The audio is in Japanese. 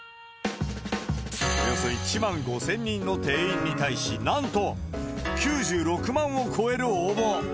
およそ１万５０００人の定員に対し、なんと９６万を超える応募。